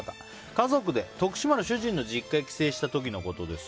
家族で徳島の主人の実家に帰省した時のことです。